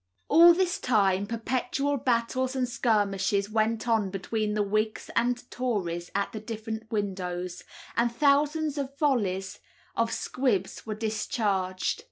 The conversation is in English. All this time perpetual battles and skirmishes went on between the Whigs and Tories at the different windows, and thousands of volleys of squibs were discharged.